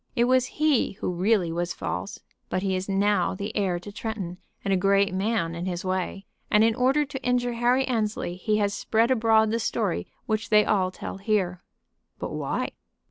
It was he who really was false. But he is now the heir to Tretton and a great man in his way, and in order to injure Harry Annesley he has spread abroad the story which they all tell here." "But why?"